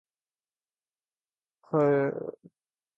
انہوں نے بھی دو نمبری دکھا دی۔